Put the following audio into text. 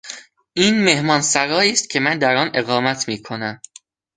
این مهمانسرایی است که من در آن اقامت میکنم.